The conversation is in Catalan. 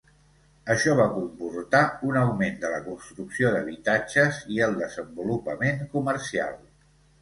Això va comportar un augment de la construcció d'habitatges i el desenvolupament comercial.